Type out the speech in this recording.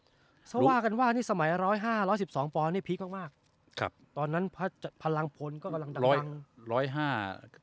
พูดมากถ้าว่ากันว่าสมัย๑๐๕๑๑๒ปเนี่ยพีคมากครับตอนนั้นพลังพลก็กำลังดัง